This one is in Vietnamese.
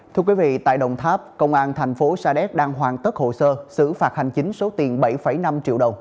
thưa quý vị tại đồng tháp công an thành phố sa đéc đang hoàn tất hồ sơ xử phạt hành chính số tiền bảy năm triệu đồng